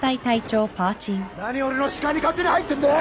何俺の視界に勝手に入ってんだよ！